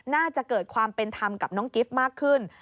น่าจะเกิดความเป็นธรรมกับน้องกิฟต์มากขึ้น